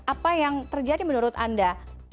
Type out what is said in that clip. apa yang terjadi menurut anda